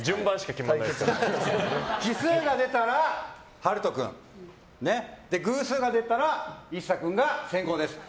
奇数が出たら陽斗君偶数が出たら一颯君が先攻です。